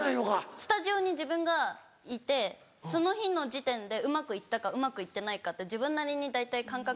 スタジオに自分がいてその日の時点でうまく行ったか行ってないかって自分なりに大体感覚で。